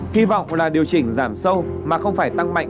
hy vọng là điều chỉnh giảm sâu mà không phải tăng mạnh